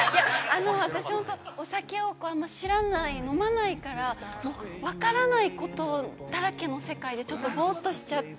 ◆私、本当、お酒を知らない、飲まないから、分からないことだらけの世界で、ちょっとぼーっとしちゃって。